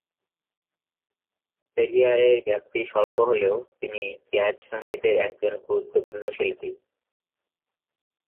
ক্যারিয়ারের ব্যাপ্তি স্বল্প হলেও তিনি জ্যাজ সঙ্গীতের একজন গুরুত্বপূর্ণ শিল্পী।